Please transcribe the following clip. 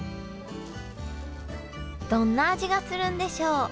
どんな味がするんでしょう？